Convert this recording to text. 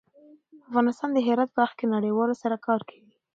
افغانستان د هرات په برخه کې نړیوالو سره کار کوي.